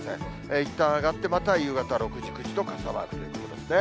いったん上がって、また夕方６時、９時と傘マーク出てきますね。